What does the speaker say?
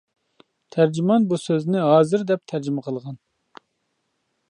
تەرجىمان بۇ سۆزنى «ھازىر» دەپ تەرجىمە قىلغان.